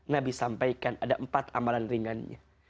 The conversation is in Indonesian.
nabi sampaikan ada empat amalan ringannya